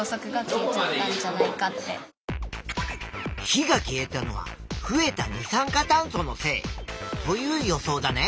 火が消えたのは増えた二酸化炭素のせいという予想だね。